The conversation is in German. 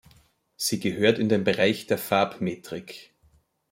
Sie gehört in den Bereich der Farbmetrik.